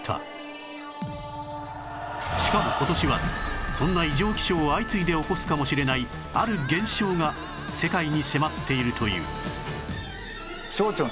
しかも今年はそんな異常気象を相次いで起こすかもしれないある現象が世界に迫っているという